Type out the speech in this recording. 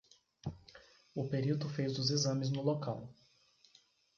O perito fez os exames no local.